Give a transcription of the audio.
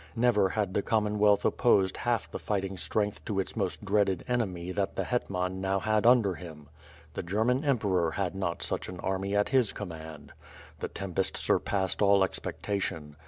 Never had the Commonwealth opposed half the fighting strength to its most dreaded enemy that the hetman now had under him. The German emperor had not such an army at his command. The tempest surpassed all expectation.